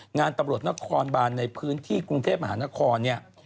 งานตำรวจนครบานในพื้นที่กรุงเทพมหานครเนี่ย